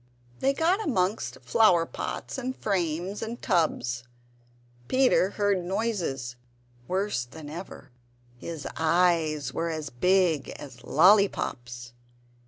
They got amongst flower pots, and frames, and tubs. Peter heard noises worse than ever; his eyes were as big as lolly pops!